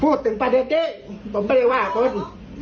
พูดถึงประเด็นเจ๊ผมไม่ได้ว่าคน